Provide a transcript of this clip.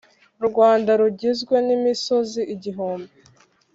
U Rwanda rugizwe n’imisozi igihumbi.